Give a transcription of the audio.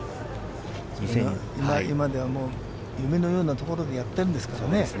今ではもう夢のようなところでやってるんですからね。